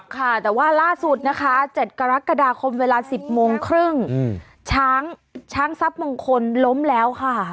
ค่ะแต่ว่าล่าสุดนะคะ๗กรกฎาคมเวลา๑๐โมงครึ่งช้างช้างทรัพย์มงคลล้มแล้วค่ะ